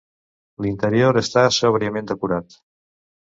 L'interior està sòbriament decorat.